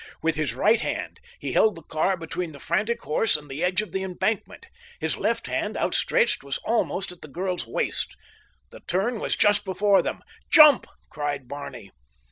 With his right hand he held the car between the frantic horse and the edge of the embankment. His left hand, outstretched, was almost at the girl's waist. The turn was just before them. "Jump!" cried Barney.